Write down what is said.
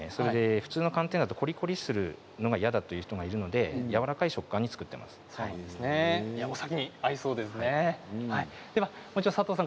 普通の寒天だとコリコリするのが嫌だという人がいるのでお酒に合いそうですね。